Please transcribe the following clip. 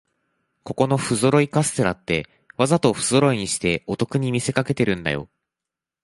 ここのふぞろいカステラって、わざとふぞろいにしてお得に見せかけてるんだよ